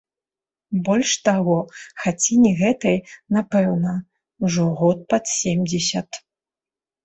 Больш таго, хаціне гэтай, напэўна, ужо год пад семдзесят.